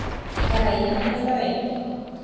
Karai ha kuñakarai.